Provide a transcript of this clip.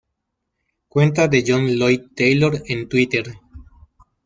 Cuenta de John Lloyd Taylor en Twitter